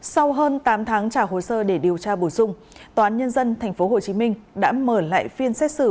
sau hơn tám tháng trả hồ sơ để điều tra bổ sung tòa án nhân dân tp hcm đã mở lại phiên xét xử